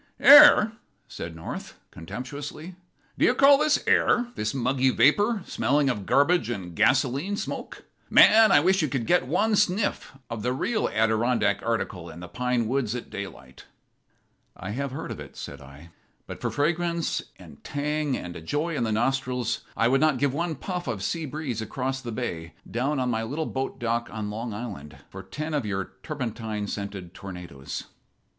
"Air!" said North, contemptuously. "Do you call this air? this muggy vapor, smelling of garbage and gasoline smoke. Man, I wish you could get one sniff of the real Adirondack article in the pine woods at daylight." "I have heard of it," said I. "But for fragrance and tang and a joy in the nostrils I would not give one puff of sea breeze across the bay, down on my little boat dock on Long Island, for ten of your turpentine scented tornadoes."